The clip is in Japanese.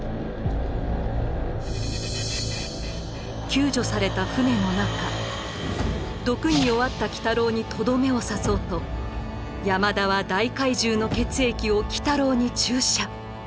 救助された船の中毒に弱った鬼太郎にとどめを刺そうと山田は大海獣の血液を鬼太郎に注射。